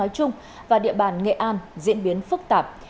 trung và địa bàn nghệ an diễn biến phức tạp